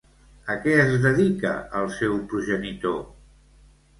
A què es dedica el seu progenitor?